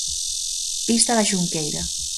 Pista da Xunqueira.